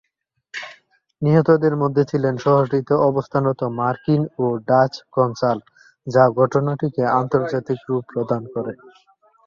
নিহতদের মধ্যে ছিলেন শহরটিতে অবস্থানরত মার্কিন ও ডাচ কনসাল, যা ঘটনাটিকে আন্তর্জাতিক রূপ প্রদান করে।